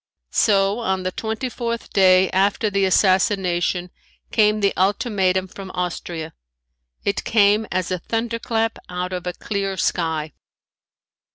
So on the twenty fourth day after the assassination came the ultimatum from Austria. It came as a thunderclap out of a clear sky.